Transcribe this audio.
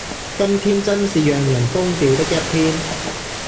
今天真是讓人瘋掉的一天